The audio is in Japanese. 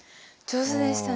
上手でしたね。